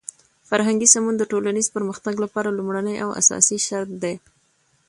فرهنګي سمون د ټولنیز پرمختګ لپاره لومړنی او اساسی شرط دی.